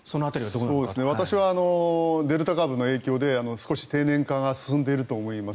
私はデルタ株の影響で少し低年齢化が進んでいると思います。